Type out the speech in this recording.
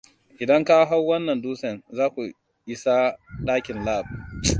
Idan ka hau wannan dutsen, zaku isa dakin Lab.